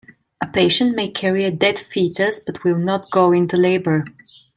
A patient may carry a dead fetus but will not go into labor.